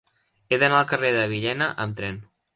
He d'anar al carrer de Villena amb tren.